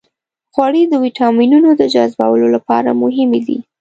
غوړې د ویټامینونو د جذبولو لپاره مهمې دي.